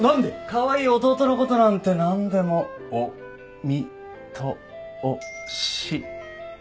カワイイ弟のことなんて何でもお・み・と・お・し。